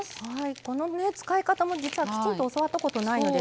この使い方もきちっと教わったことがないので。